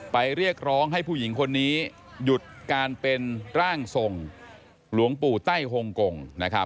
เรียกร้องให้ผู้หญิงคนนี้หยุดการเป็นร่างทรงหลวงปู่ไต้หงกง